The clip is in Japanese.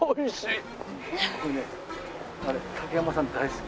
竹山さん大好き！